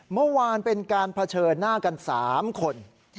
เมื่อวานเป็นการเผชิญหน้ากัน๓คน